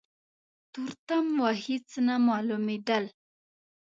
تورتم و هيڅ نه مالومېدل.